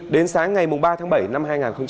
đến sáng ngày ba tháng bảy năm hai nghìn hai mươi